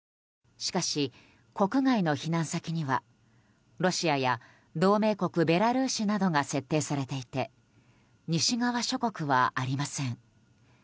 しかし国外の避難先にはロシアや同盟国ベラルーシなどが設定されていて西側諸国はありません。